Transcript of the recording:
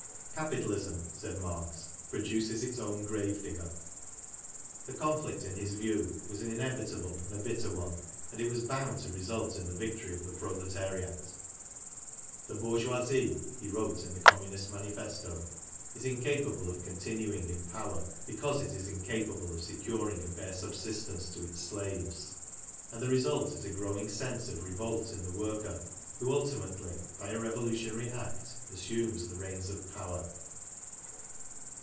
" Capital ism," said Marx, "produces its own gravedigger." The conflict, in his view, was an inevitable and a bitter one, and it was Sound to result in the victory of the proletariat. " The bourgeoisie," he wrote in the Com munist Manifesto, " is incapable of continuing in power KARL MARX 35 because it is incapable of securing a bare subsistence to its slaves "; and the result is a growing sense of revolt in the worker who ultimately, by a revolutionary act, assumes the reins of power.